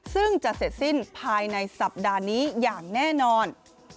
ซึ่งจะเสร็จสิ้นภายในสัปดาห์นี้อย่างแน่นอน